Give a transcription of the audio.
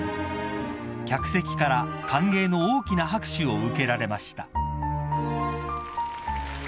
［客席から歓迎の大きな拍手を受けられました］